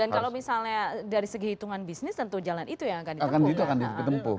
dan kalau misalnya dari segi hitungan bisnis tentu jalan itu yang akan ditempuh